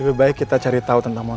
ketika tidak membangun